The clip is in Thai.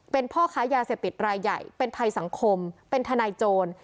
เป็นพ่อค้ายาเสพติดรายใหญ่เป็นภัยสังคมเป็นทนายโจร